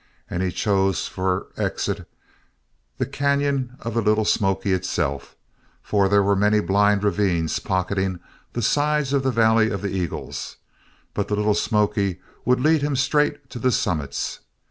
And he chose for exit the cañon of the Little Smoky itself. For there were many blind ravines pocketing the sides of the Valley of the Eagles, but the little Smoky would lead him straight to the summits.